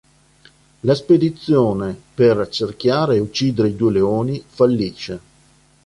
La spedizione per accerchiare e uccidere i due leoni, fallisce.